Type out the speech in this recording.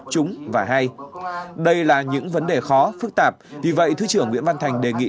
chúng và hay đây là những vấn đề khó phức tạp vì vậy thứ trưởng nguyễn văn thành đề nghị